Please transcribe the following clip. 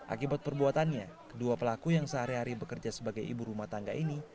akibat perbuatannya kedua pelaku yang sehari hari bekerja sebagai ibu rumah tangga ini